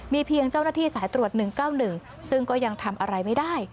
เพียงเจ้าหน้าที่สายตรวจ๑๙๑ซึ่งก็ยังทำอะไรไม่ได้